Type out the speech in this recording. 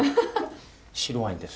白ワインです。